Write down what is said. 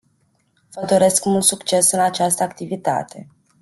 Vă doresc mult succes în această activitate.